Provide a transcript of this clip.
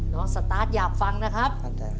สตาร์ทอยากฟังนะครับ